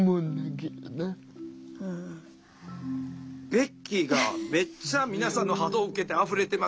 ベッキーがめっちゃ皆さんの波動を受けてあふれてますが。